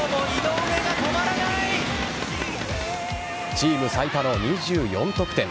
チーム最多の２４得点。